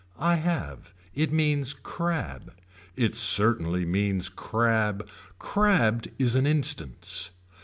I have. It means crab. It certainly means crab. Crabbed is an instance.